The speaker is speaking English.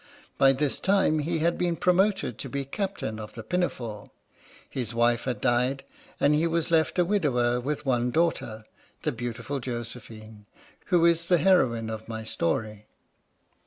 By this time he had been promoted to be Captain of the Pinafore ; his wife had died, and he was left a widower with one daughter, the beautiful Josephine, who is the heroine of my story.